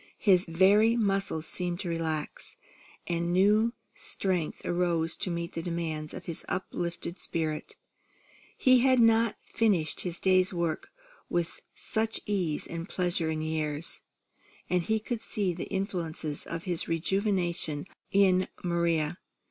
His very muscles seemed to relax, and new strength arose to meet the demands of his uplifted spirit. He had not finished his day's work with such ease and pleasure in years; and he could see the influence of his rejuvenation in Maria.